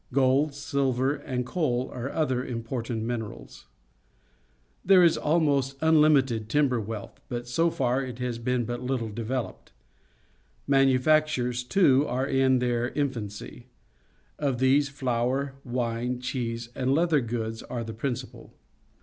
Gold, silver, and coal are other important minerals. There is almost unlimited timber wealth, but so far it has been but Uttle developed. Manufactures, too, are in their infancy. Of these, flour, wine, cheese, and leather goods are the principal.